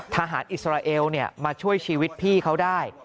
อิสราเอลมาช่วยชีวิตพี่เขาได้